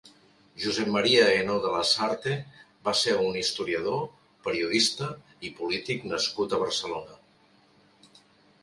Josep Maria Ainaud de Lasarte va ser un historiador, periodista i polític nascut a Barcelona.